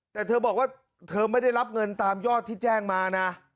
แต่เธอบอกว่าเธอไม่ได้รับเงินตามยอดที่แจ้งมานะ